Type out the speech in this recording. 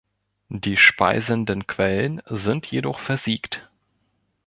Die speisenden Quellen sind jedoch versiegt.